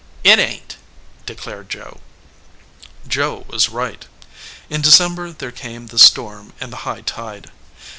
"It ain t," declared Joe. Joe was right. In December there came the storm and the high tide.